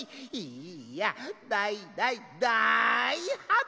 いやだいだいだいはつめ。